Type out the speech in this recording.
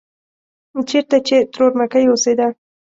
چېرته چې ترور مکۍ اوسېده.